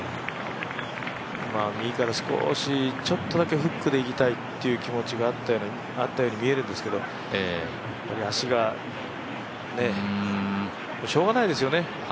右から少し、ちょっとだけフックでいきたいという気持ちがあったように見えるんですけど足がね、しようがないですよね。